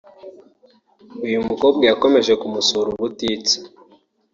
uyu mukobwa yakomeje kumusura ubutitsa